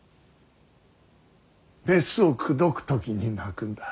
メスを口説く時に鳴くんだ。